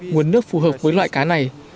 nguồn nước phù hợp với loại cá này